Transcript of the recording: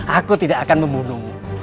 aku tidak akan membunuhmu